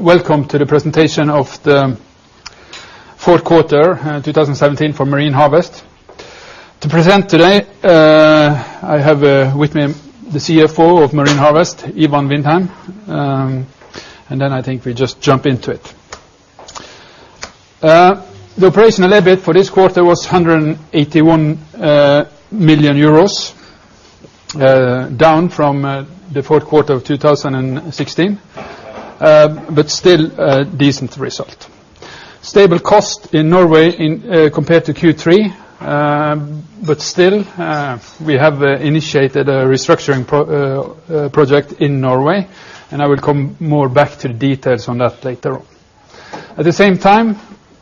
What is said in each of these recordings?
Welcome to the presentation of the fourth quarter 2017 for Marine Harvest. To present today, I have with me the CFO of Marine Harvest, Ivan Vindheim. I think we just jump into it. The operational EBIT for this quarter was EUR 181 million, down from the fourth quarter of 2016 but still a decent result. Stable cost in Norway compared to Q3. Still we have initiated a restructuring project in Norway. I will come more back to the details on that later on. At the same time,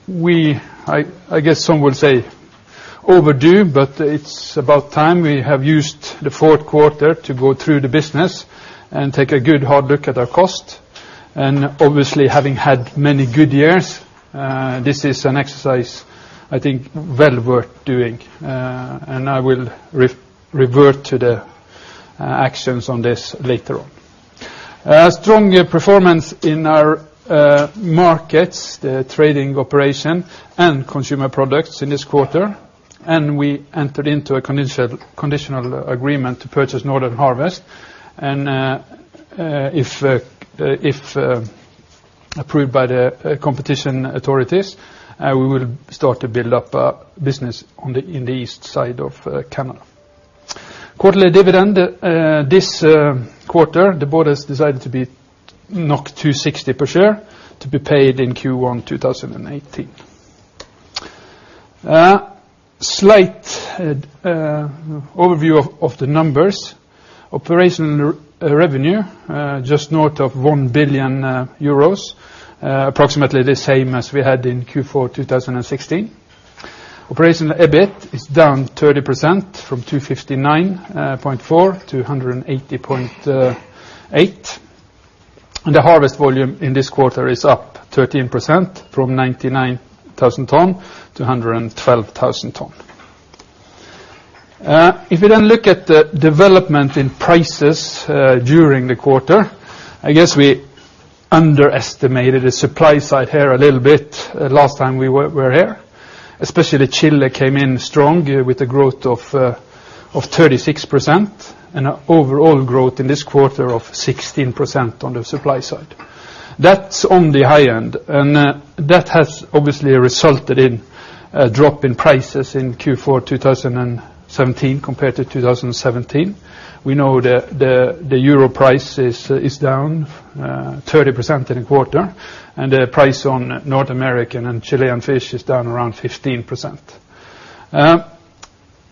I guess some would say overdue, but it's about time we have used the fourth quarter to go through the business and take a good hard look at our cost. Obviously, having had many good years, this is an exercise, I think, well worth doing. I will revert to the actions on this later on. Strong performance in our markets, the trading operation, and consumer products in this quarter. We entered into a conditional agreement to purchase Northern Harvest. If approved by the competition authorities, we will start to build up a business in the east side of Canada. Quarterly dividend. This quarter, the board has decided to be 2.60 per share to be paid in Q1 2018. Slight overview of the numbers. Operational revenue, just north of 1 billion euros, approximately the same as we had in Q4 2016. Operational EBIT is down 30% from 259.4 to 180.8. The harvest volume in this quarter is up 13% from 99,000 tons to 112,000 tons. We look at the development in prices during the quarter, I guess we underestimated the supply side here a little bit last time we were here. Especially Chile came in strong with a growth of 36% and an overall growth in this quarter of 16% on the supply side. That's on the high end, that has obviously resulted in a drop in prices in Q4 2017 compared to 2017. We know the euro price is down 30% in a quarter. The price on North American and Chilean fish is down around 15%.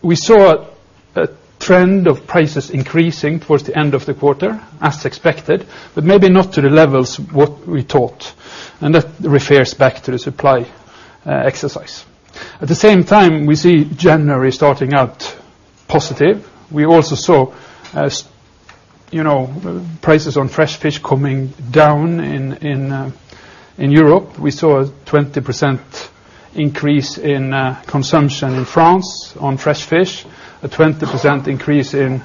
We saw a trend of prices increasing towards the end of the quarter as expected. Maybe not to the levels what we thought. That refers back to the supply exercise. At the same time, we see January starting out positive. We also saw prices on fresh fish coming down in Europe. We saw a 20% increase in consumption in France on fresh fish, a 20% increase in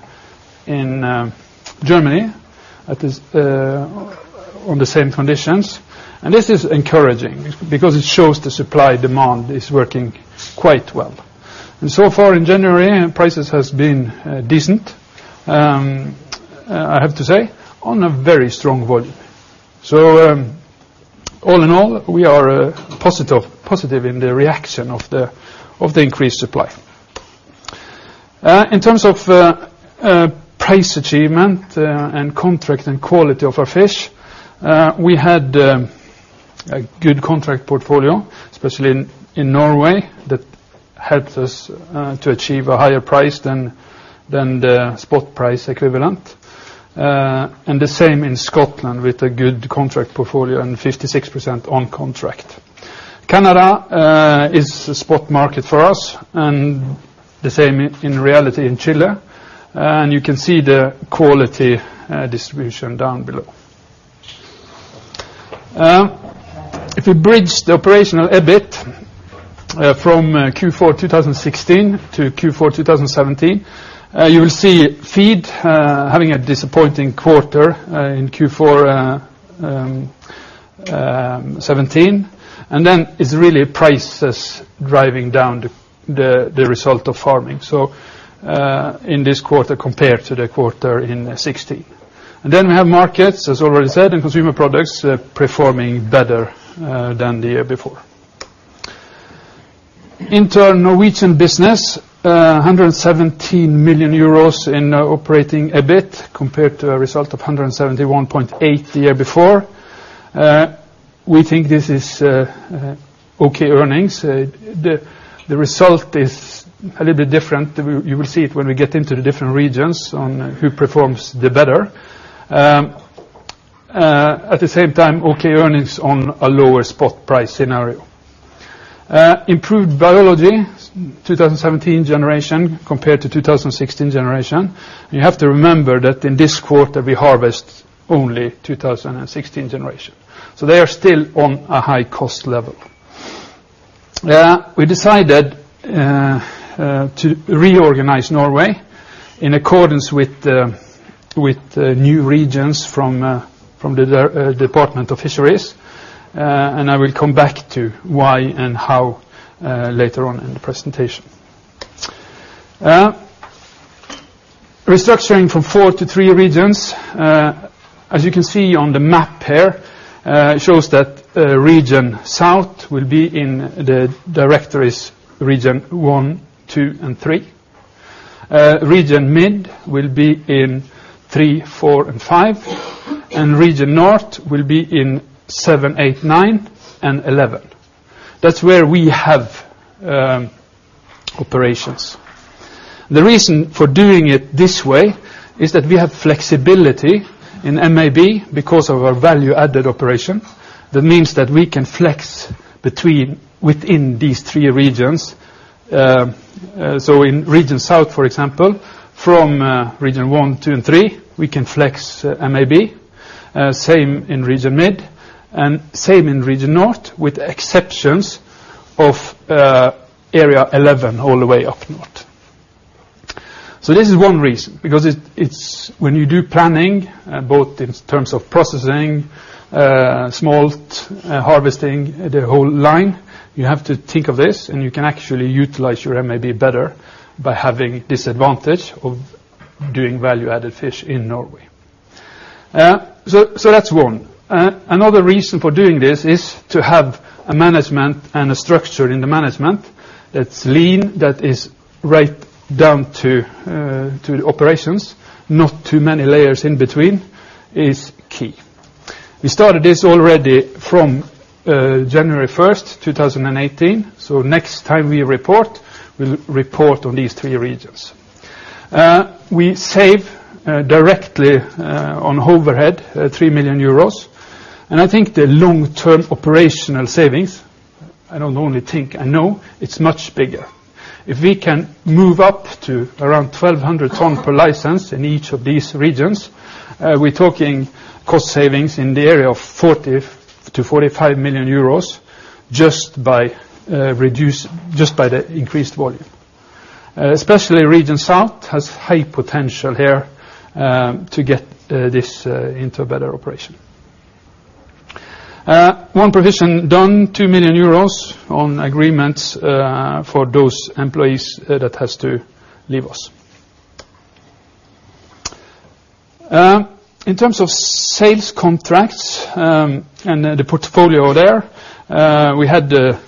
Germany on the same conditions. This is encouraging because it shows the supply-demand is working quite well. So far in January, prices has been decent, I have to say, on a very strong volume. All in all, we are positive in the reaction of the increased supply. In terms of price achievement and contract and quality of our fish, we had a good contract portfolio, especially in Norway, that helped us to achieve a higher price than the spot price equivalent. The same in Scotland with a good contract portfolio and 56% on contract. Canada is a spot market for us, and the same in reality in Chile. You can see the quality distribution down below. If we bridge the operational EBIT from Q4 2016 to Q4 2017, you will see feed having a disappointing quarter in Q4 2017, and then it's really prices driving down the result of farming. In this quarter compared to the quarter in 2016. Then we have markets, as already said, and consumer products performing better than the year before. Internal Norwegian business, 117 million euros in operating EBIT compared to a result of 171.8 the year before. We think this is okay earnings. The result is a little bit different. You will see it when we get into the different regions on who performs the better. At the same time, okay earnings on a lower spot price scenario. Improved biology, 2017 generation compared to 2016 generation. You have to remember that in this quarter, we harvest only 2016 generation. They are still on a high cost level. We decided to reorganize Norway in accordance with the new regions from the Norwegian Directorate of Fisheries. I will come back to why and how later on in the presentation. Restructuring from four to three regions. As you can see on the map here, it shows that Region South will be in the Directorate's Region one, two, and three. Region Mid will be in three, four, and five. Region North will be in seven, eight, nine, and 11. That's where we have operations. The reason for doing it this way is that we have flexibility in MAB because of our value-added operation. That means that we can flex within these three regions. In Region South, for example, from Region one, two, and three, we can flex MAB. Same in Region Mid, and same in Region North, with exceptions of Area 11 all the way up north. This is one reason, because when you do planning, both in terms of processing, smolt harvesting, the whole line, you have to think of this, and you can actually utilize your MAB better by having this advantage of doing value-added fish in Norway. That's one. Another reason for doing this is to have a management and a structure in the management that's lean, that is right down to the operations, not too many layers in between, is key. We started this already from January 1st, 2018. Next time we report, we will report on these three regions. We save directly on overhead, 3 million euros. I think the long-term operational savings, I don't only think, I know, it's much bigger. If we can move up to around 1,200 tons per license in each of these regions, we're talking cost savings in the area of 40 million-45 million euros just by the increased volume. Especially Region South has high potential here to get this into a better operation. One provision done, 2 million euros on agreements for those employees that has to leave us. In terms of sales contracts and the portfolio there, we had a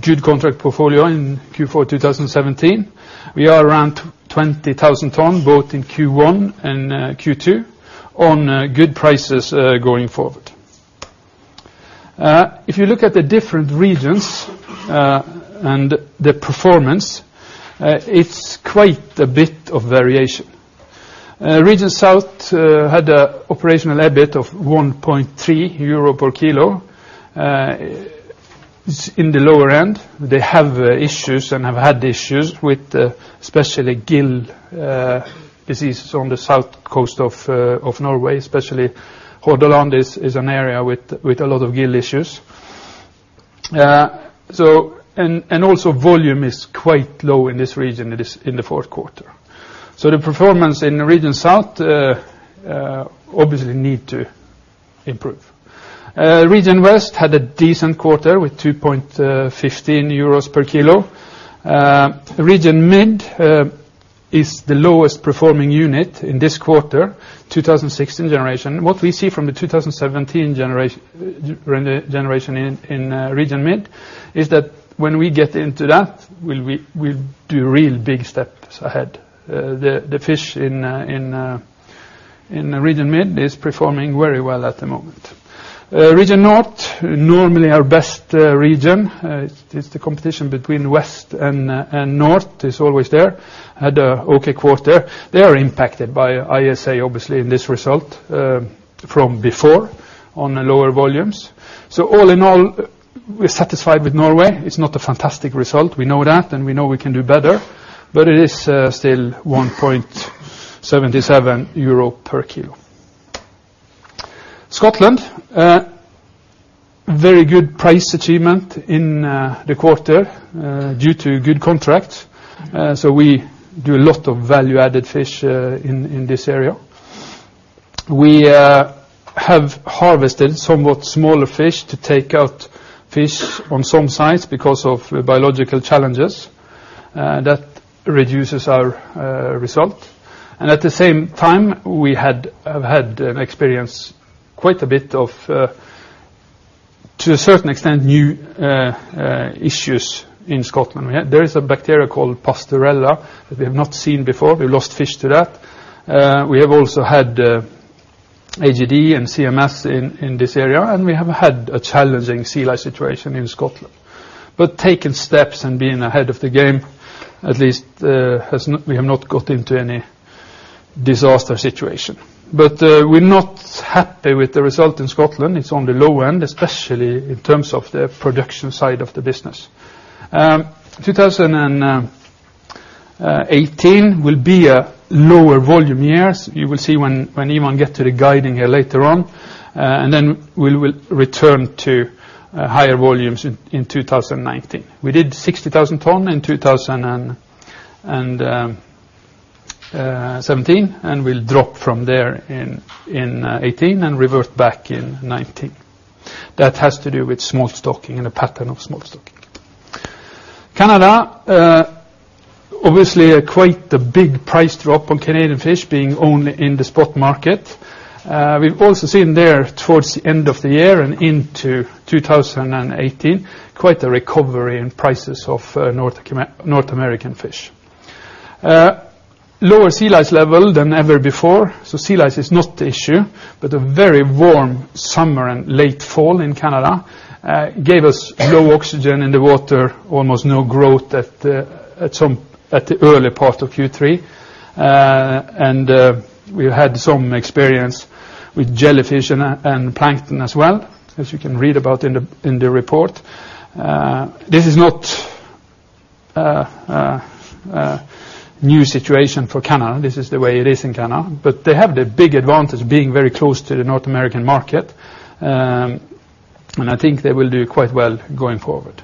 good contract portfolio in Q4 2017. We are around 20,000 tons, both in Q1 and Q2 on good prices going forward. If you look at the different regions and the performance, it's quite a bit of variation. Region South had an operational EBIT of 1.3 euro per kilo. It's in the lower end. They have issues and have had issues with especially gill diseases on the south coast of Norway, especially Hordaland is an area with a lot of gill issues. Also volume is quite low in this region, in the fourth quarter. The performance in Region South obviously need to improve. Region West had a decent quarter with 2.15 euros per kilo. Region Mid is the lowest performing unit in this quarter, 2016 generation. What we see from the 2017 generation in Region Mid is that when we get into that, we'll do real big steps ahead. The fish in Region Mid is performing very well at the moment. Region North, normally our best region. It's the competition between West and North is always there. Had an okay quarter. They are impacted by ISA, obviously, in this result from before on the lower volumes. All in all, we're satisfied with Norway. It's not a fantastic result. We know that, and we know we can do better, but it is still 1.77 euro per kilo. Scotland, very good price achievement in the quarter due to good contracts. We do a lot of value-added fish in this area. We have harvested somewhat smaller fish to take out fish on some sites because of biological challenges. That reduces our result. At the same time, we have had an experience quite a bit of, to a certain extent, new issues in Scotland. There is a bacteria called Pasteurella that we have not seen before. We lost fish to that. We have also had AGD and CMS in this area, and we have had a challenging sea lice situation in Scotland. Taking steps and being ahead of the game, at least we have not got into any disaster situation. We're not happy with the result in Scotland. It's on the low end, especially in terms of the production side of the business. 2018 will be a lower volume year. You will see when Ivan gets to the guiding here later on, and then we will return to higher volumes in 2019. We did 60,000 tons in 2017, and we'll drop from there in 2018 and revert back in 2019. That has to do with smolt stocking and a pattern of smolt stocking. Canada, obviously quite a big price drop on Canadian fish being only in the spot market. We've also seen there towards the end of the year and into 2018, quite a recovery in prices of North American fish. Lower sea lice level than ever before. Sea lice is not the issue, but a very warm summer and late fall in Canada gave us low oxygen in the water, almost no growth at the early part of Q3. We had some experience with jellyfish and plankton as well, as you can read about in the report. This is not a new situation for Canada. This is the way it is in Canada. They have the big advantage of being very close to the North American market. I think they will do quite well going forward.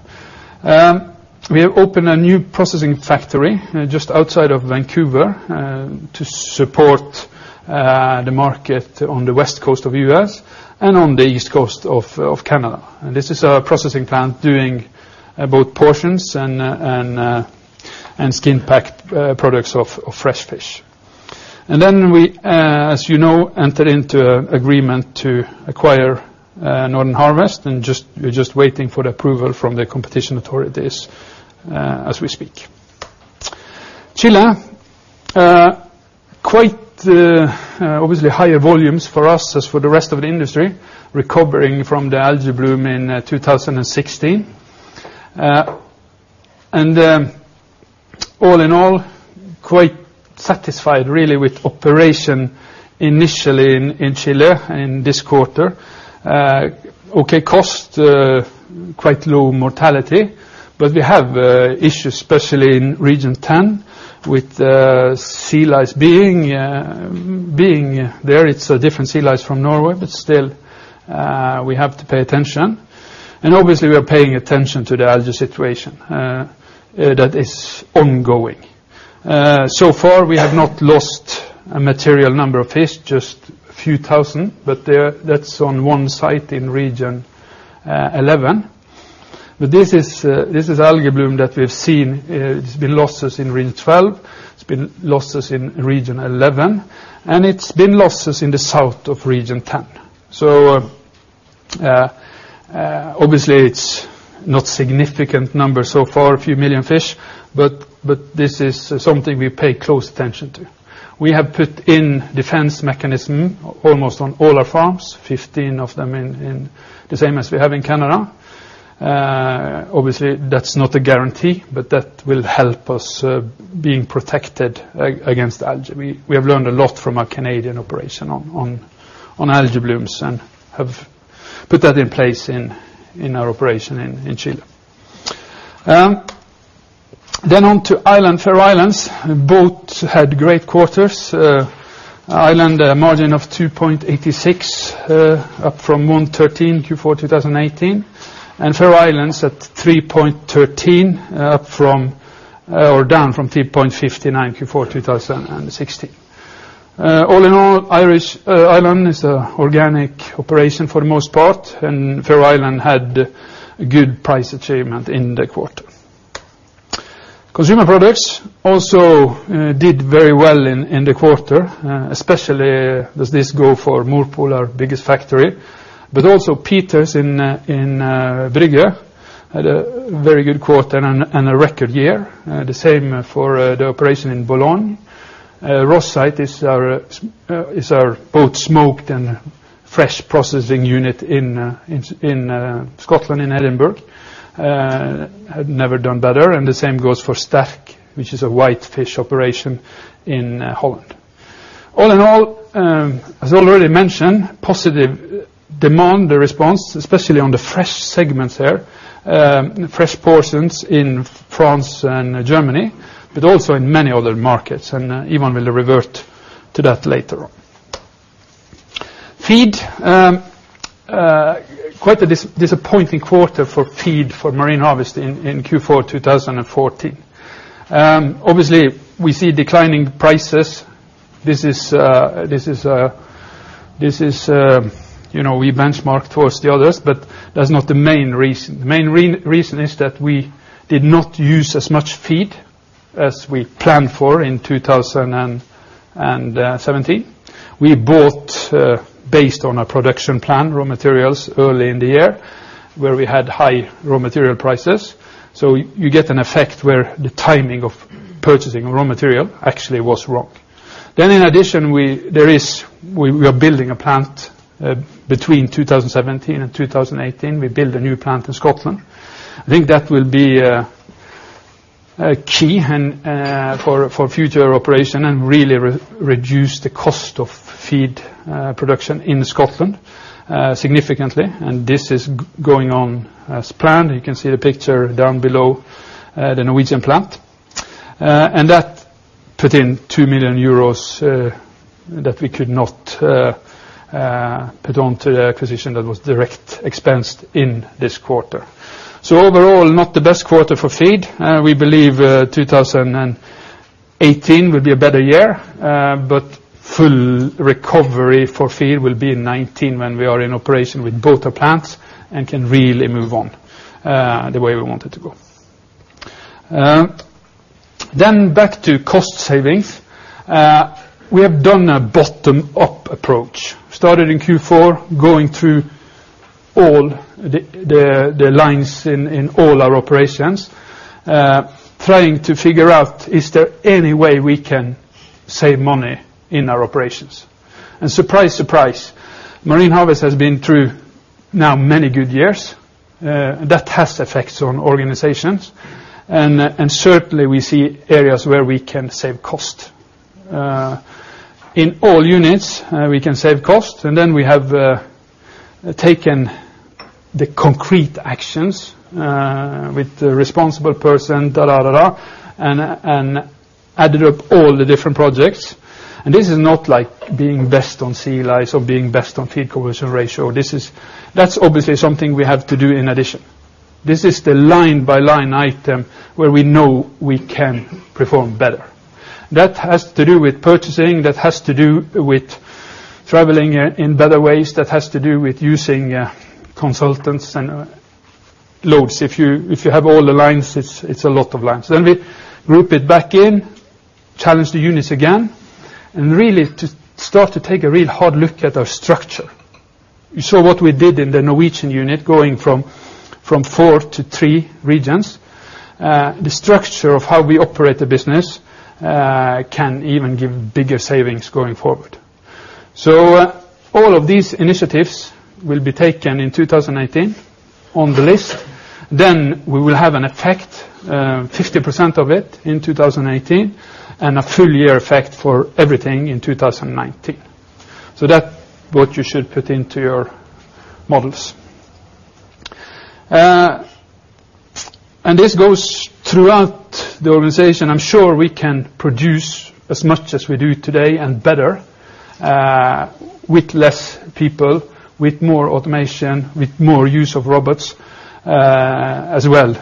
We have opened a new processing factory just outside of Vancouver to support the market on the West Coast of U.S. and on the East Coast of Canada. This is our processing plant doing both portions and skin pack products of fresh fish. We, as you know, entered into agreement to acquire Northern Harvest and we're just waiting for the approval from the competition authorities as we speak. Chile. Quite obviously, higher volumes for us as for the rest of the industry, recovering from the algae bloom in 2016. All in all, quite satisfied really with operation initially in Chile in this quarter. Okay, cost, quite low mortality, but we have issues, especially in Region 10 with sea lice being there. It's a different sea lice from Norway, but still, we have to pay attention. Obviously, we are paying attention to the algae situation that is ongoing. So far, we have not lost a material number of fish, just a few thousand, but that's on one site in Region 11. This is algae bloom that we've seen. There's been losses in Region 12, there's been losses in Region 11, and it's been losses in the south of Region 10. Obviously it's not significant numbers so far, a few million fish, but this is something we pay close attention to. We have put in defense mechanism almost on all our farms, 15 of them the same as we have in Canada. Obviously, that's not a guarantee, but that will help us being protected against algae. We have learned a lot from our Canadian operation on algae blooms and have put that in place in our operation in Chile. On to Ireland, Faroe Islands, both had great quarters. Ireland, a margin of 2.86%, up from 1.13% Q4 2018. Faroe Islands at 3.13%, down from 3.59% Q4 2016. All in all, Ireland is an organic operation for the most part, and Faroe Island had good price achievement in the quarter. Consumer products also did very well in the quarter, especially does this go for Morpol, our biggest factory, but also Pieters in Brugge had a very good quarter and a record year. The same for the operation in Boulogne. Rosyth is our both smoked and fresh processing unit in Scotland, in Edinburgh. Have never done better. The same goes for Sterk, which is a white fish operation in Holland. All in all, as already mentioned, positive demand response, especially on the fresh segments there, fresh portions in France and Germany, but also in many other markets, and Ivan will revert to that later on. Feed. Quite a disappointing quarter for feed for Marine Harvest in Q4 2014. Obviously, we see declining prices. We benchmark towards the others, but that's not the main reason. The main reason is that we did not use as much feed as we planned for in 2017. We bought based on our production plan, raw materials early in the year where we had high raw material prices. You get an effect where the timing of purchasing raw material actually was wrong. In addition, we are building a plant between 2017 and 2018. We build a new plant in Scotland. I think that will be key for future operation and really reduce the cost of feed production in Scotland significantly. This is going on as planned. You can see the picture down below the Norwegian plant. That put in 2 million euros that we could not put onto the acquisition that was direct expensed in this quarter. Overall, not the best quarter for feed. We believe 2018 will be a better year, full recovery for feed will be in 2019 when we are in operation with both our plants and can really move on the way we want it to go. Back to cost savings. We have done a bottom-up approach. Started in Q4, going through all the lines in all our operations, trying to figure out, is there any way we can save money in our operations? Surprise, surprise, Marine Harvest has been through now many good years. That has effects on organizations, and certainly we see areas where we can save cost. In all units, we can save cost, and then we have taken the concrete actions with the responsible person and added up all the different projects. This is not like being best on sea lice or being best on feed conversion ratio. That's obviously something we have to do in addition. This is the line-by-line item where we know we can perform better. That has to do with purchasing, that has to do with traveling in better ways, that has to do with using consultants and loads. If you have all the lines, it's a lot of lines. We group it back in, challenge the units again, and really start to take a real hard look at our structure. You saw what we did in the Norwegian unit, going from four to three regions. The structure of how we operate the business can even give bigger savings going forward. All of these initiatives will be taken in 2018 on the list. We will have an effect, 50% of it in 2018, and a full-year effect for everything in 2019. That what you should put into your models. This goes throughout the organization. I am sure we can produce as much as we do today and better with less people, with more automation, with more use of robots as well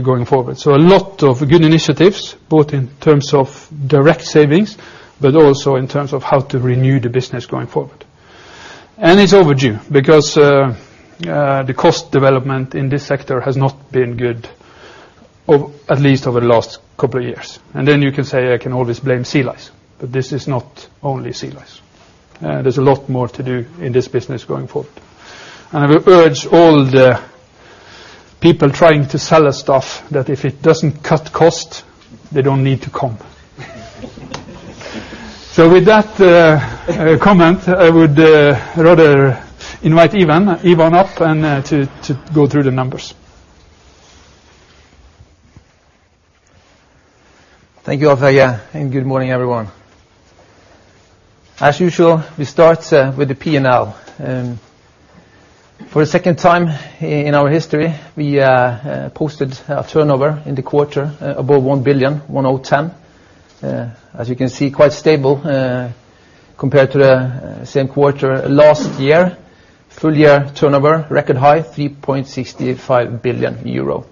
going forward. A lot of good initiatives, both in terms of direct savings, but also in terms of how to renew the business going forward. It's overdue because the cost development in this sector has not been good, at least over the last couple of years. You can say, I can always blame sea lice, but this is not only sea lice. There's a lot more to do in this business going forward. I will urge all the people trying to sell us stuff that if it doesn't cut cost, they don't need to come. With that comment, I would rather invite Ivan up and to go through the numbers. Thank you, Alf, and good morning, everyone. Usually, we start with the P&L. For the second time in our history, we posted a turnover in the quarter above 1 billion, 1.010 billion. You can see, quite stable compared to the same quarter last year. Full year turnover, record high, 3.65 billion euro.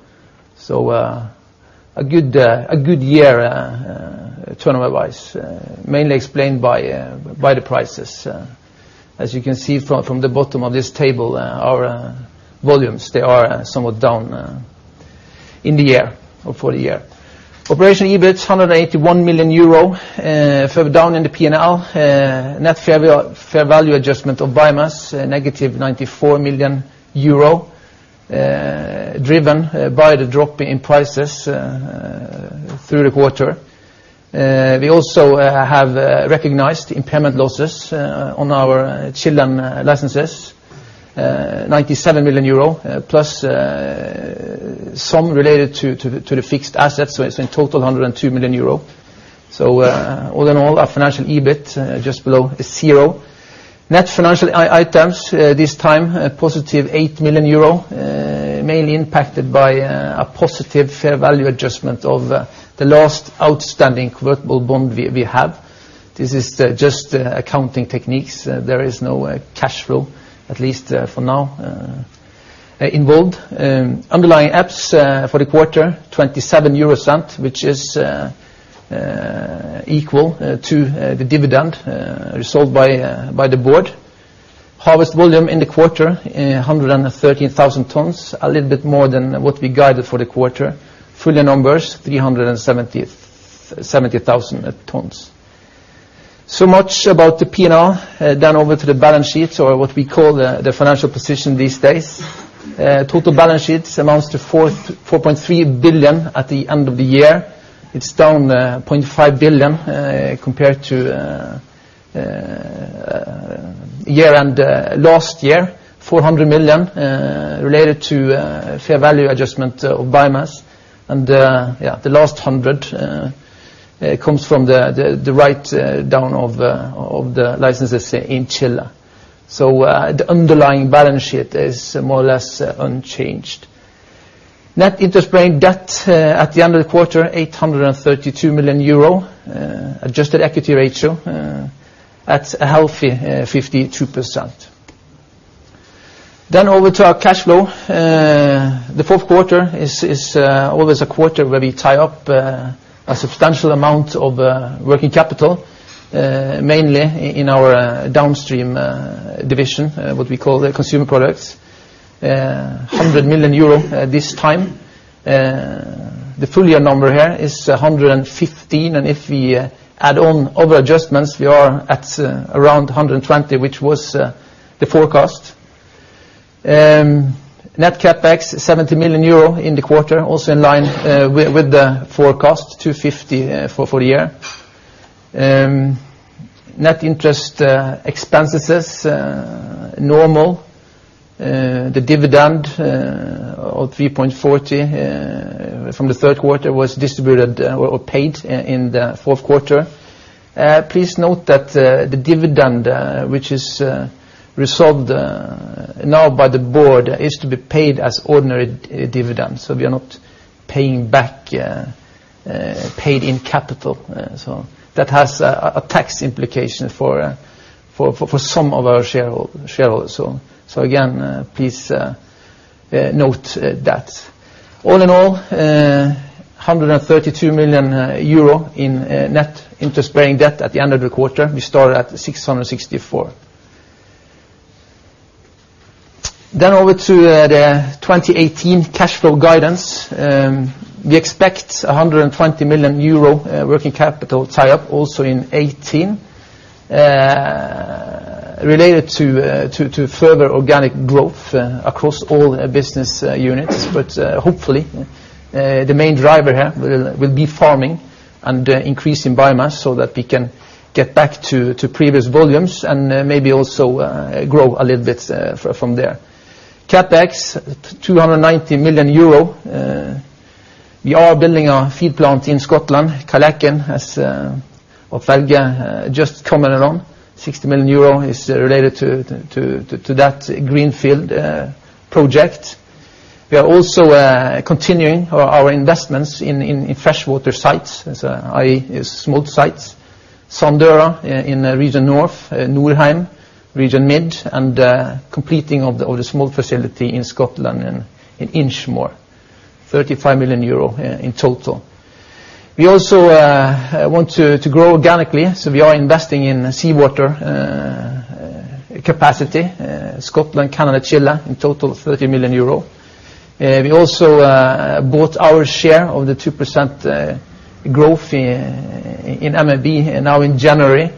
A good year turnover-wise, mainly explained by the prices. You can see from the bottom of this table, our volumes, they are somewhat down in the year or for the year. Operational EBIT, 181 million euro further down in the P&L. Net fair value adjustment of biomass, negative 94 million euro, driven by the drop in prices through the quarter. We also have recognized the impairment losses on our Chilean licenses, 97 million euro, plus some related to the fixed assets, it's in total 102 million euro. All in all, our financial EBIT just below zero. Net financial items this time, a +8 million euro, mainly impacted by a positive fair value adjustment of the last outstanding convertible bond we have. This is just accounting techniques. There is no cash flow, at least for now, involved. Underlying EPS for the quarter, 0.27, which is equal to the dividend resolved by the board. Harvest volume in the quarter, 113,000 tons, a little bit more than what we guided for the quarter. Full year numbers, 370,000 tons. Much about the P&L. Over to the balance sheet, or what we call the financial position these days. Total balance sheet amounts to 4.3 billion at the end of the year. It's down 0.5 billion compared to last year, 400 million related to fair value adjustment of biomass, and the last 100 million. It comes from the write-down of the licenses in Chile. The underlying balance sheet is more or less unchanged. Net interest-bearing debt at the end of the quarter, 832 million euro. Adjusted equity ratio at a healthy 52%. Over to our cash flow. The fourth quarter is always a quarter where we tie up a substantial amount of working capital, mainly in our downstream division, what we call the consumer products. 100 million euro this time. The full year number here is 115, and if we add on other adjustments, we are at around 120, which was the forecast. Net CapEx, 70 million euro in the quarter, also in line with the forecast, 250 for the year. Net interest expenses, normal. The dividend of 3.40 from the third quarter was distributed or paid in the fourth quarter. Please note that the dividend, which is resolved now by the board, is to be paid as ordinary dividends. We are not paying back paid-in capital. That has a tax implication for some of our shareholders. Again, please note that. All in all, 132 million euro in net interest-bearing debt at the end of the quarter. We started at 664 million. Over to the 2018 cash flow guidance. We expect 120 million euro working capital tie-up also in 2018, related to further organic growth across all business units. But hopefully, the main driver here will be farming and increase in biomass so that we can get back to previous volumes and maybe also grow a little bit from there. CapEx, 290 million euro. We are building a feed plant in Scotland, Kyleakin, as Alf-Helge just commented on, 60 million euro is related to that greenfield project. We are also continuing our investments in freshwater sites, i.e., smolt sites. Sanda in Region North, Norheim, Region Mid, and completing of the smoked facility in Scotland in Inchmore, 35 million euro in total. We also want to grow organically, we are investing in seawater capacity. Scotland, Canada, Chile, in total, 30 million euro. We also bought our share of the 2% growth in MAB now in January,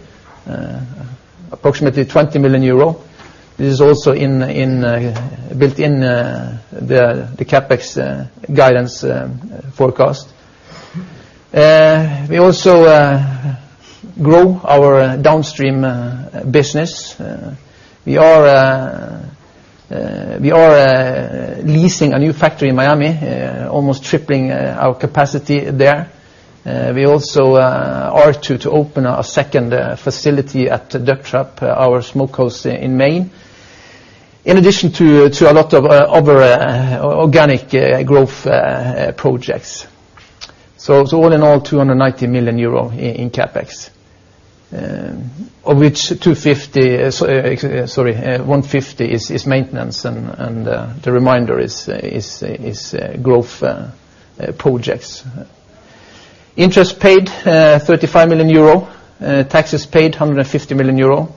approximately 20 million euro. This is also built in the CapEx guidance forecast. We also grow our downstream business. We are leasing a new factory in Miami, almost tripling our capacity there. We also are to open a second facility at Ducktrap, our smokehouse in Maine, in addition to a lot of other organic growth projects. All in all, 290 million euro in CapEx, of which 150 million is maintenance and the remainder is growth projects. Interest paid, 35 million euro. Taxes paid, 150 million euro.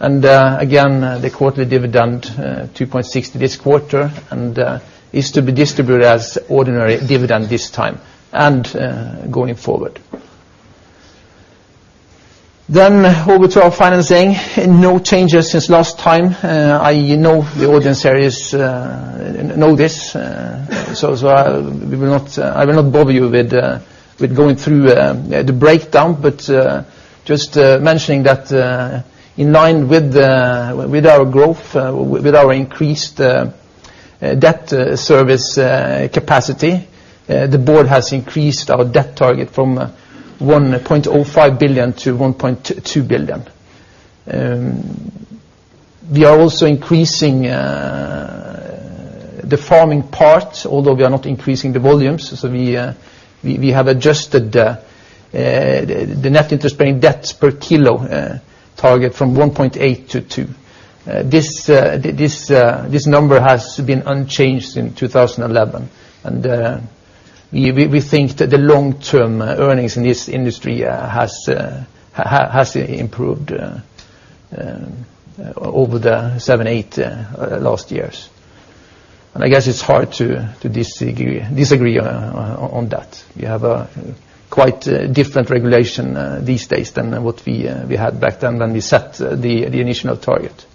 Again, the quarterly dividend, 2.60 this quarter, and is to be distributed as ordinary dividend this time and going forward. Over to our financing. No changes since last time. I know the audience here know this, so I will not bother you with going through the breakdown, but just mentioning that in line with our growth, with our increased debt service capacity, the board has increased our debt target from 1.05 billion to 1.2 billion. We are also increasing the farming part, although we are not increasing the volumes. We have adjusted the net interest-bearing debt per kilo target from 1.8-2. This number has been unchanged since 2011, and we think that the long-term earnings in this industry has improved over the seven, eight last years. I guess it's hard to disagree on that. We have a quite different regulation these days than what we had back then when we set the initial target.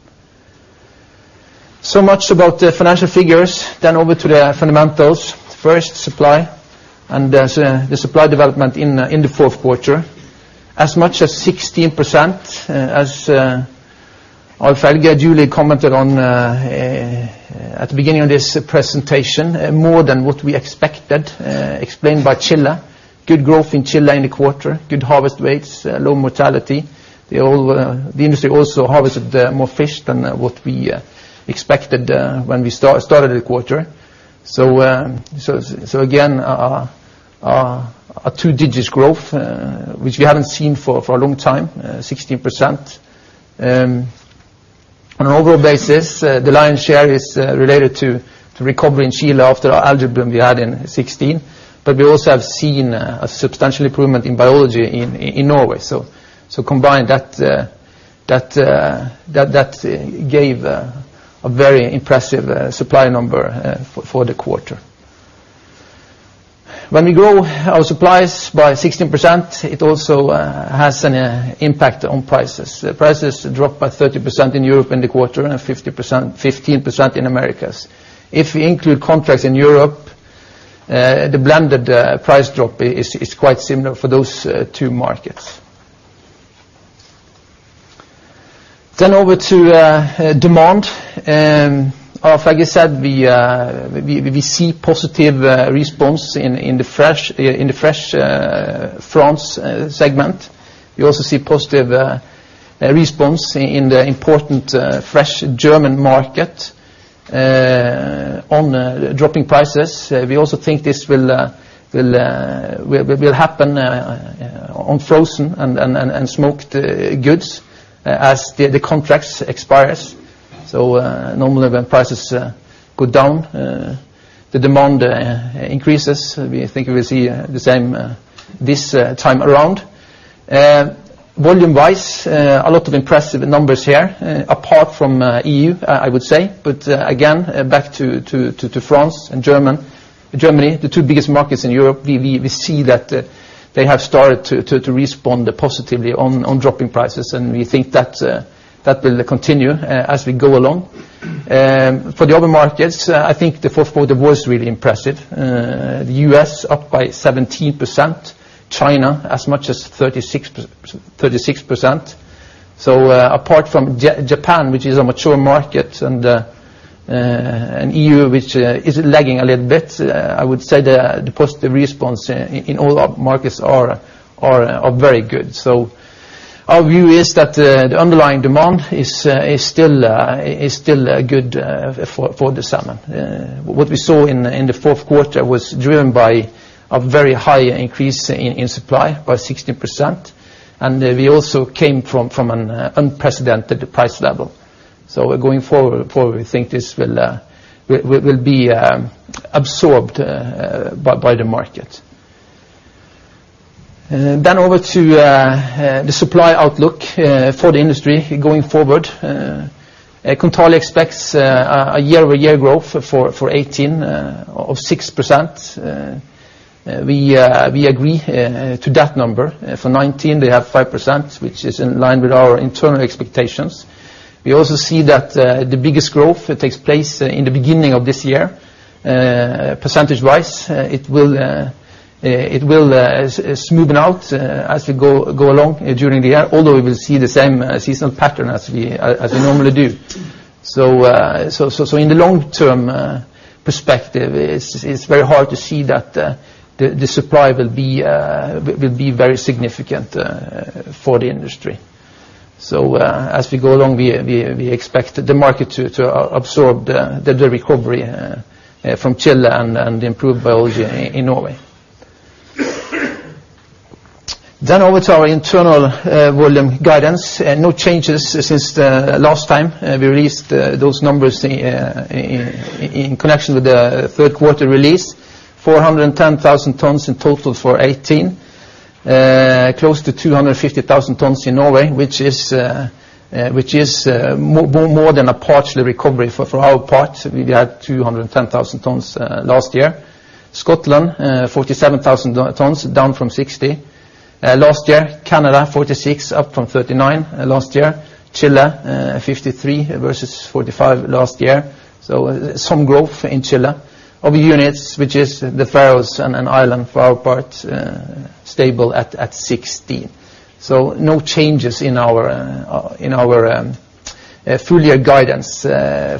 Much about the financial figures. Over to the fundamentals. First, supply and the supply development in the fourth quarter. As much as 16%, Alf-Helge duly commented at the beginning of this presentation, more than what we expected, explained by Chile. Good growth in Chile in the quarter, good harvest rates, low mortality. The industry also harvested more fish than what we expected when we started the quarter. Again, a two-digits growth, which we haven't seen for a long time, 16%. On an overall basis, the lion's share is related to recovery in Chile after the algae bloom we had in 2016. We also have seen a substantial improvement in biology in Norway. Combined, that gave a very impressive supply number for the quarter. When we grow our supplies by 16%, it also has an impact on prices. Prices dropped by 30% in Europe in the quarter, and 15% in Americas. If we include contracts in Europe, the blended price drop is quite similar for those two markets. Over to demand. Alf-Helge said we see positive response in the fresh France segment. We also see positive response in the important fresh German market on dropping prices. We also think this will happen on frozen and smoked goods as the contracts expires. Normally, when prices go down, the demand increases. We think we will see the same this time around. Volume-wise, a lot of impressive numbers here, apart from EU, I would say. Again, back to France and Germany, the two biggest markets in Europe. We see that they have started to respond positively on dropping prices, and we think that will continue as we go along. For the other markets, I think the fourth quarter was really impressive. The U.S. up by 17%, China as much as 36%. Apart from Japan, which is a mature market, and E.U., which is lagging a little bit, I would say the positive response in all our markets are very good. Our view is that the underlying demand is still good for the summer. What we saw in the fourth quarter was driven by a very high increase in supply by 16%. We also came from an unprecedented price level. Going forward, we think this will be absorbed by the market. Over to the supply outlook for the industry going forward. Kontali expects a year-over-year growth for 2018 of 6%. We agree to that number. For 2019, they have 5%, which is in line with our internal expectations. We also see that the biggest growth takes place in the beginning of this year. Percentage-wise, it will smoothen out as we go along during the year, although we will see the same seasonal pattern as we normally do. In the long-term perspective, it's very hard to see that the supply will be very significant for the industry. As we go along, we expect the market to absorb the recovery from Chile and the improved biology in Norway. Over to our internal volume guidance. No changes since the last time we released those numbers in connection with the third quarter release, 410,000 tons in total for 2018. Close to 250,000 tons in Norway, which is more than a partial recovery for our part. We had 210,000 tons last year. Scotland, 47,000 tons, down from 60,000 last year. Canada, 46,000, up from 39,000 last year. Chile, 53,000 versus 45,000 last year. Some growth in Chile. Other units, which is the Faroes and Ireland for our part, stable at 16. No changes in our full year guidance. For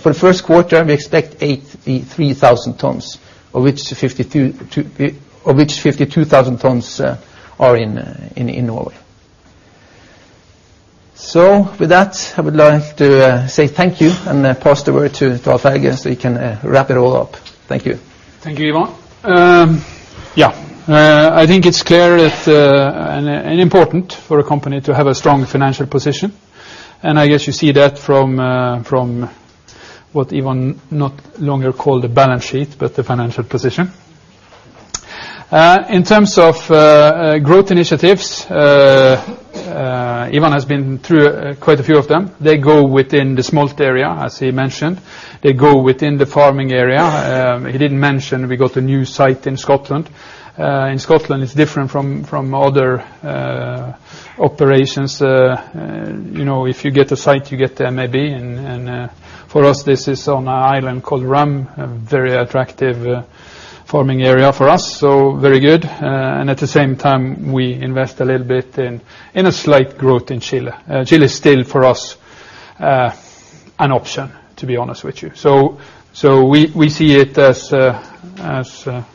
the first quarter, we expect 83,000 tons, of which 52,000 tons are in Norway. With that, I would like to say thank you and pass the word to Alf-Helge, so he can wrap it all up. Thank you. Thank you, Ivan. I think it's clear and important for a company to have a strong financial position, and I guess you see that from what Ivan no longer call the balance sheet, but the financial position. In terms of growth initiatives, Ivan has been through quite a few of them. They go within the smoked area, as he mentioned. They go within the farming area. He didn't mention we got a new site in Scotland. In Scotland, it's different from other operations. If you get a site, you get maybe, and for us, this is on an island called Rum, a very attractive farming area for us, so very good. At the same time, we invest a little bit in a slight growth in Chile. Chile is still for us an option, to be honest with you. We see it as a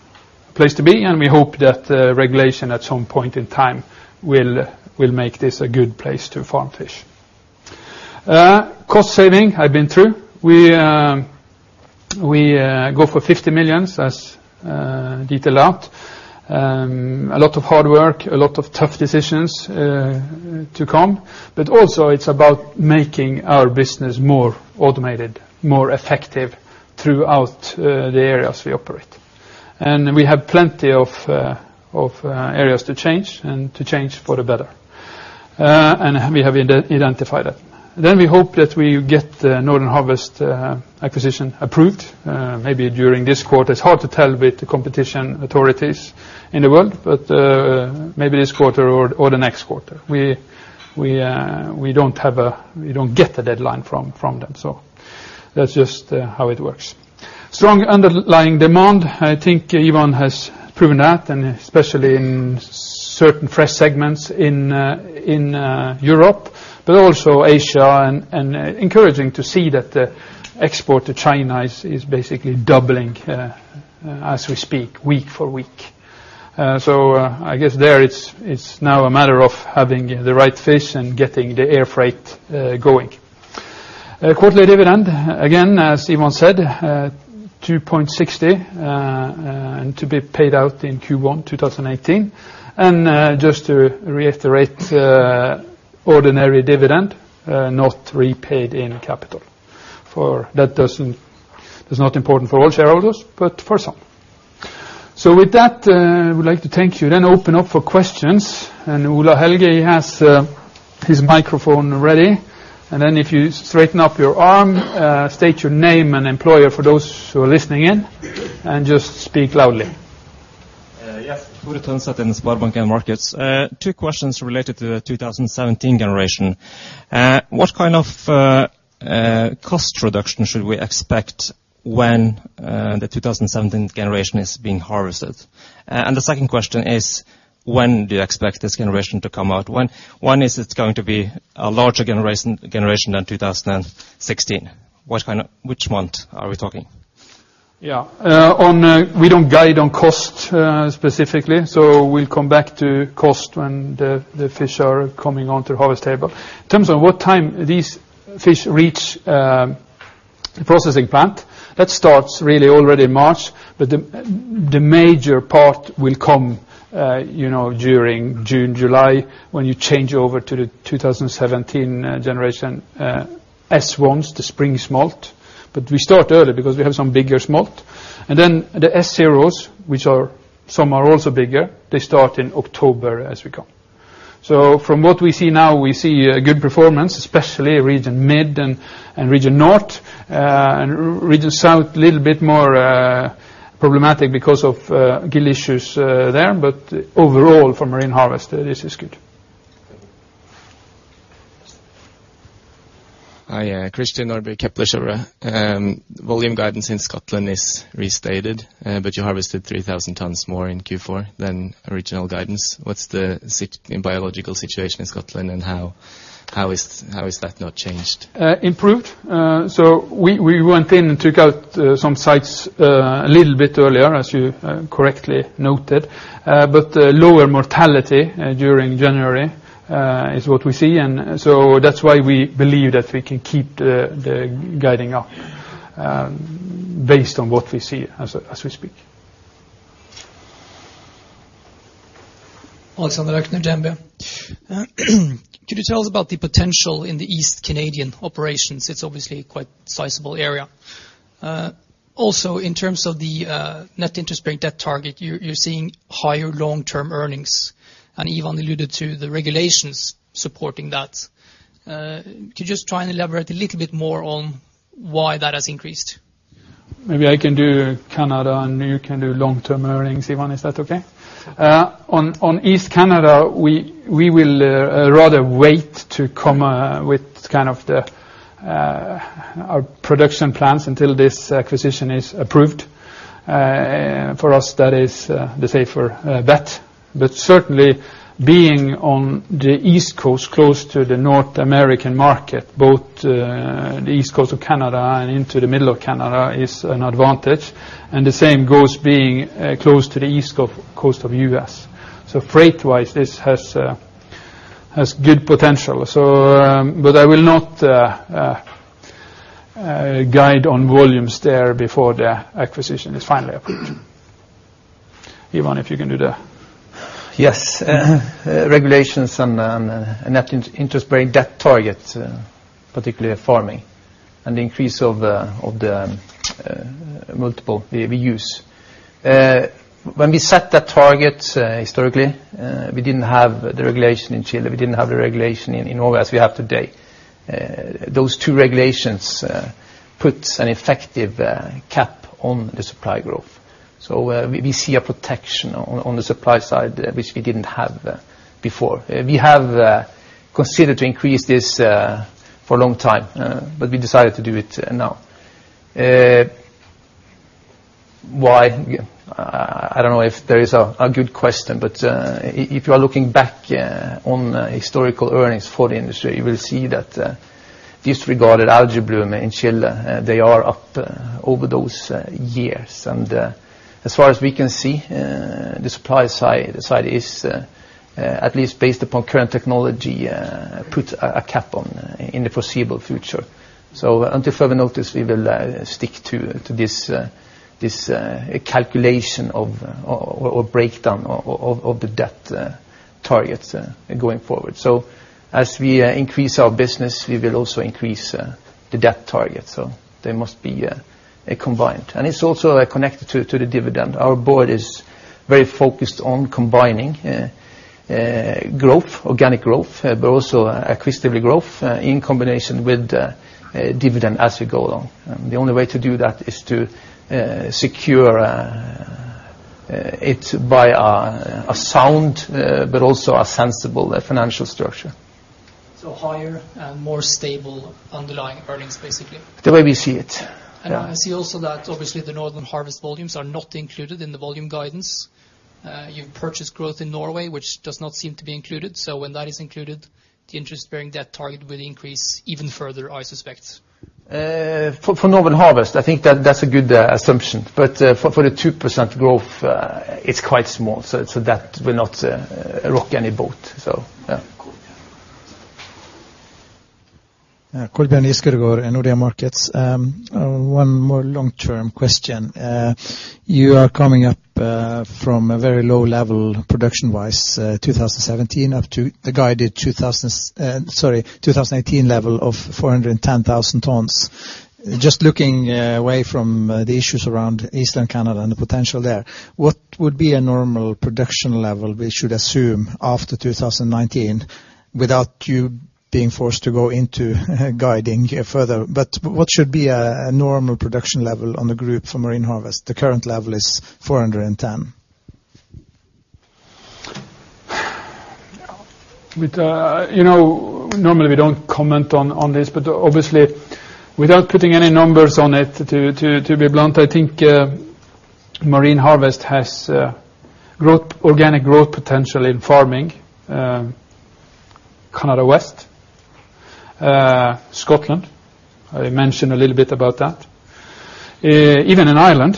place to be, and we hope that regulation at some point in time will make this a good place to farm fish. Cost saving, I've been through. We go for 50 million as detailed out. A lot of hard work, a lot of tough decisions to come, but also it's about making our business more automated, more effective throughout the areas we operate. We have plenty of areas to change, and to change for the better. We have identified that. We hope that we get Northern Harvest acquisition approved, maybe during this quarter. It's hard to tell with the competition authorities in the world, but maybe this quarter or the next quarter. We don't get the deadline from them. That's just how it works. Strong underlying demand. I think Ivan has proven that, especially in certain fresh segments in Europe, but also Asia. Encouraging to see that the export to China is basically doubling as we speak, week for week. I guess there it's now a matter of having the right fish and getting the air freight going. Quarterly dividend, again, as Ivan said, 2.60, and to be paid out in Q1 2018. Just to reiterate, ordinary dividend, not repaid in capital. That's not important for all shareholders, but for some. With that, I would like to thank you, then open up for questions. Ola Helge has his microphone ready. Then if you straighten up your arm, state your name and employer for those who are listening in, and just speak loudly. Yes. Gunnar Tonseth in SpareBank 1 Markets. Two questions related to the 2017 generation. What kind of cost reduction should we expect when the 2017 generation is being harvested? The second question is, when do you expect this generation to come out? 1 is it's going to be a larger generation than 2016. Which month are we talking? Yeah. We don't guide on cost specifically, so we'll come back to cost when the fish are coming onto the harvest table. In terms of what time these fish reach processing plant, that starts really already in March, but the major part will come during June, July, when you change over to the 2017 generation S1s, the spring smolt. We start early because we have some bigger smolt. The S0s, which some are also bigger, they start in October as we come. From what we see now, we see a good performance, especially region mid and region north. Region south, a little bit more problematic because of gill issues there, but overall for Marine Harvest, this is good. Hi. Cristian Olberg, Kepler Cheuvreux. Volume guidance in Scotland is restated, but you harvested 3,000 tons more in Q4 than original guidance. What's the biological situation in Scotland and how has that not changed? Improved. We went in and took out some sites a little bit earlier, as you correctly noted. Lower mortality during January is what we see. That's why we believe that we can keep the guiding up based on what we see as we speak. Alexander Aukner, DNB. Could you tell us about the potential in the East Canadian operations? It's obviously a quite sizable area. Also in terms of the net interest bearing debt target, you're seeing higher long-term earnings, Ivan alluded to the regulations supporting that. Could you just try and elaborate a little bit more on why that has increased? Maybe I can do Canada, and you can do long-term earnings, Ivan. Is that okay? On East Canada, we will rather wait to come with our production plans until this acquisition is approved. For us, that is the safer bet. Certainly being on the East Coast, close to the North American market, both the east coast of Canada and into the middle of Canada is an advantage. The same goes being close to the East Coast of U.S. Freight-wise, this has good potential. I will not guide on volumes there before the acquisition is finally approved. Ivan, if you can do the? Yes. Regulations on net interest bearing debt target, particularly farming and the increase of the multiple we use. When we set that target, historically, we didn't have the regulation in Chile, we didn't have the regulation in Norway as we have today. Those two regulations put an effective cap on the supply growth. We see a protection on the supply side, which we didn't have before. We have considered to increase this for a long time, we decided to do it now. Why? I don't know if there is a good question, if you are looking back on historical earnings for the industry, you will see that disregarded algae bloom in Chile, they are up over those years. As far as we can see, the supply side is at least based upon current technology, puts a cap on in the foreseeable future. Until further notice, we will stick to this calculation of or breakdown of the debt targets going forward. As we increase our business, we will also increase the debt target. They must be combined. It's also connected to the dividend. Our board is very focused on combining growth, organic growth, but also accretive growth in combination with dividend as we go along. The only way to do that is to secure it by a sound, but also a sensible financial structure. Higher and more stable underlying earnings, basically. The way we see it. Yeah. I see also that obviously the Northern Harvest volumes are not included in the volume guidance. You've purchased growth in Norway, which does not seem to be included. When that is included, the interest-bearing debt target will increase even further, I suspect. For Northern Harvest, I think that's a good assumption, but for the 2% growth, it's quite small. That will not rock any boat. Yeah. Cool. One more long-term question. You are coming up from a very low level production-wise, 2017 up to the guided 2018 level of 410,000 tons. Just looking away from the issues around Eastern Canada and the potential there, what would be a normal production level we should assume after 2019 without you being forced to go into guiding further. What should be a normal production level on the group for Marine Harvest? The current level is 410. Normally, we don't comment on this. Obviously, without putting any numbers on it, to be blunt, I think Marine Harvest has organic growth potential in farming. Canada West, Scotland, I mentioned a little bit about that. Even in Ireland.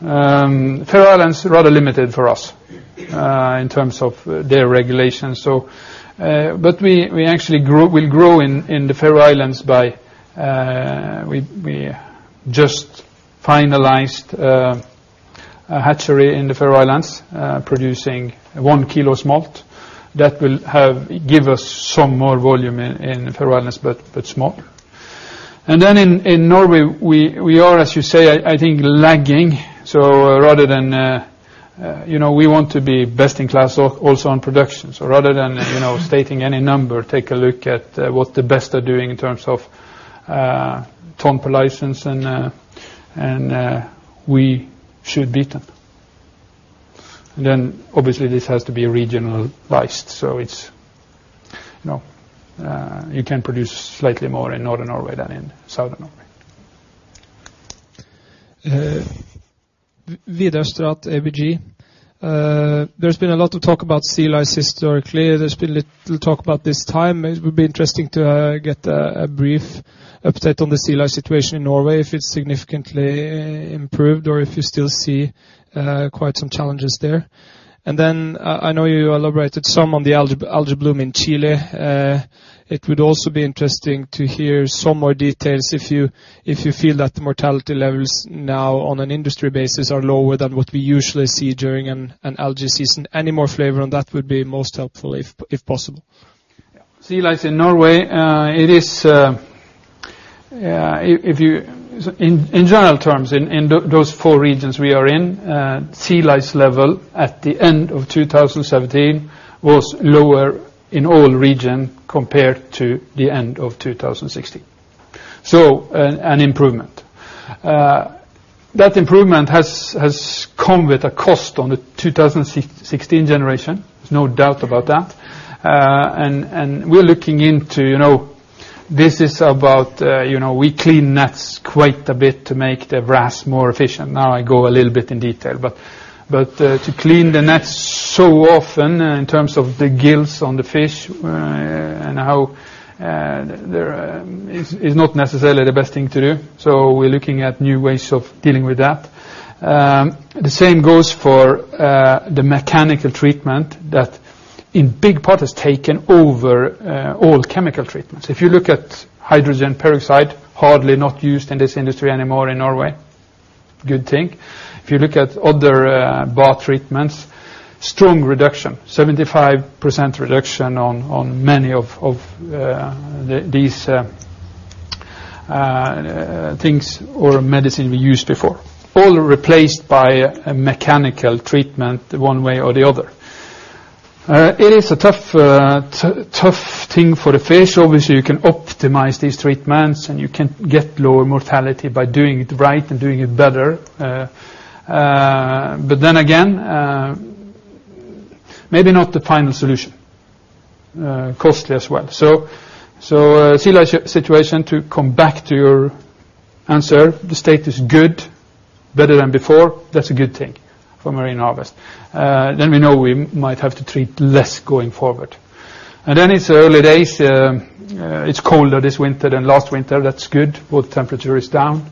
Faroe Islands, rather limited for us in terms of their regulations. We actually will grow in the Faroe Islands. We just finalized a hatchery in the Faroe Islands producing 1 k smolt that will give us some more volume in the Faroe Islands, but small. In Norway, we are, as you say, I think, lagging. We want to be best in class also on production. Rather than stating any number, take a look at what the best are doing in terms of ton per license and we should beat them. Obviously, this has to be regional-based. You can produce slightly more in Northern Norway than in Southern Norway. Vidar Straand, ABG. There's been a lot of talk about sea lice historically. There's been little talk about this time. It would be interesting to get a brief update on the sea lice situation in Norway, if it's significantly improved or if you still see quite some challenges there. I know you elaborated some on the algae bloom in Chile. It would also be interesting to hear some more details if you feel that the mortality levels now on an industry basis are lower than what we usually see during an algae season. Any more flavor on that would be most helpful, if possible. Yeah. Sea lice in Norway, in general terms, in those four regions we are in, sea lice level at the end of 2017 was lower in all region compared to the end of 2016. An improvement. That improvement has come with a cost on the 2016 generation. There's no doubt about that. This is about we clean nets quite a bit to make the biomass more efficient. Now I go a little bit in detail, but to clean the nets so often in terms of the gills on the fish and how there is not necessarily the best thing to do. We're looking at new ways of dealing with that. The same goes for the mechanical treatment that in big part has taken over all chemical treatments. If you look at hydrogen peroxide, hardly not used in this industry anymore in Norway. Good thing. If you look at other bath treatments, strong reduction, 75% reduction on many of these things or medicine we used before. All replaced by a mechanical treatment one way or the other. It is a tough thing for the fish. Obviously, you can optimize these treatments, and you can get lower mortality by doing it right and doing it better. Maybe not the final solution. Costly as well. Sea lice situation, to come back to your answer, the state is good, better than before. That's a good thing for Marine Harvest. We know we might have to treat less going forward. It's early days. It's colder this winter than last winter. That's good. Water temperature is down.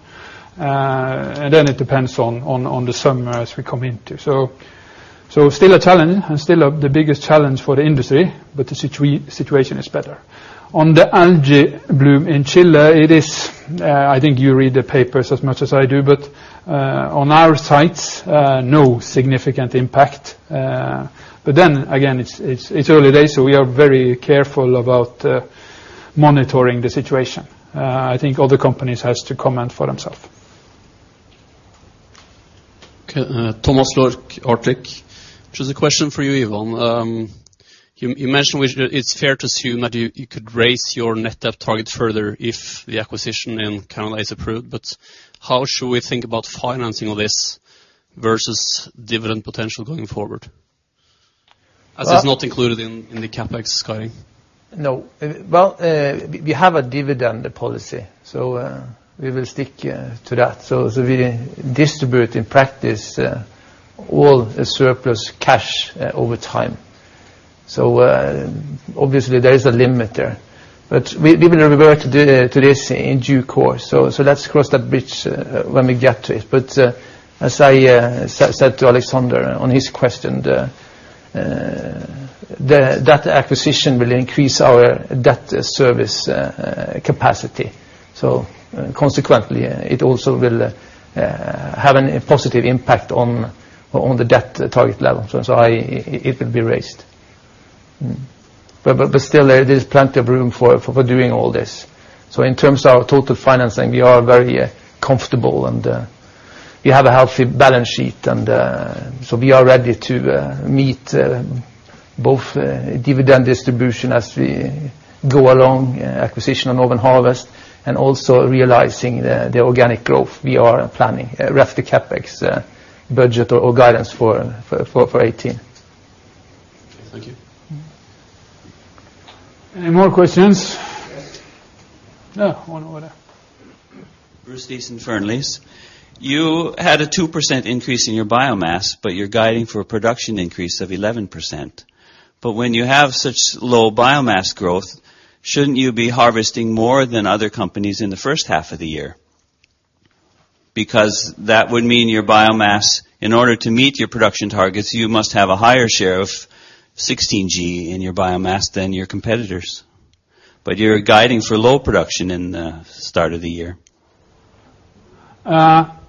It depends on the summer as we come into. Still a challenge and still the biggest challenge for the industry, but the situation is better. On the algae bloom in Chile, I think you read the papers as much as I do, but on our sites, no significant impact. Then again, it's early days, so we are very careful about monitoring the situation. I think other companies have to comment for themselves. Okay. Thomas Orklik. Just a question for you, Ivan. You mentioned it's fair to assume that you could raise your net debt target further if the acquisition in Canada is approved, but how should we think about financing all this versus dividend potential going forward? As it's not included in the CapEx guiding. No. Well, we have a dividend policy, we will stick to that. We distribute, in practice, all surplus cash over time. Obviously there is a limit there. We will refer to this in due course. Let's cross that bridge when we get to it. As I said to Alexander on his question, that acquisition will increase our debt service capacity. Consequently, it also will have a positive impact on the debt target level. It will be raised. Still there is plenty of room for doing all this. In terms of our total financing, we are very comfortable, and we have a healthy balance sheet. We are ready to meet both dividend distribution as we go along, acquisition of Northern Harvest, and also realizing the organic growth we are planning, reft the CapEx budget or guidance for 2018. Okay. Thank you. Any more questions? Yes. No, one over there. You had a 2% increase in your biomass, but you're guiding for a production increase of 11%. When you have such low biomass growth, shouldn't you be harvesting more than other companies in the first half of the year? That would mean your biomass, in order to meet your production targets, you must have a higher share of 2016G in your biomass than your competitors. You're guiding for low production in the start of the year. Harvest,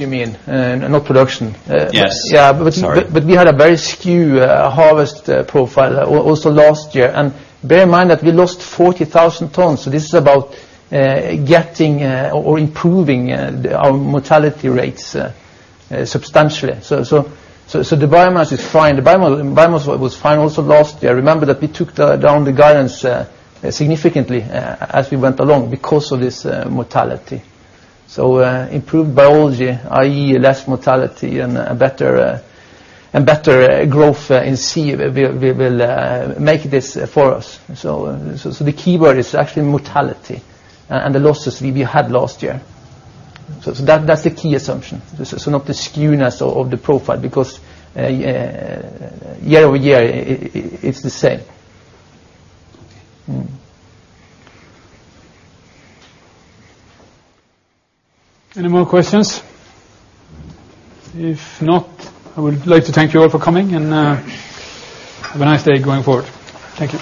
you mean, not production? Yes. Sorry. Yeah. We had a very skew harvest profile also last year. Bear in mind that we lost 40,000 tons. This is about getting or improving our mortality rates substantially. The biomass is fine. The biomass was fine also last year. Remember that we took down the guidance significantly as we went along because of this mortality. Improved biology, i.e. less mortality and better growth in sea, will make this for us. The keyword is actually mortality and the losses we had last year. That's the key assumption. Not the skewness of the profile because year-over-year it's the same. Any more questions? If not, I would like to thank you all for coming and have a nice day going forward. Thank you.